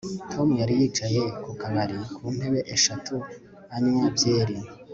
Tom yari yicaye ku kabari kuntebe eshatu anywa byeri